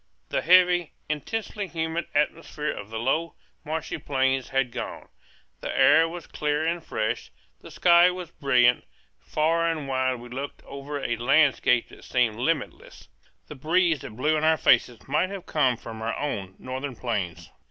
The heavy, intensely humid atmosphere of the low, marshy plains had gone; the air was clear and fresh; the sky was brilliant; far and wide we looked over a landscape that seemed limitless; the breeze that blew in our faces might have come from our own northern plains.